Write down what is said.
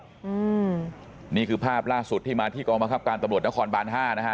อืมนี่คือภาพล่าสุดที่มาที่กองบังคับการตำรวจนครบานห้านะฮะ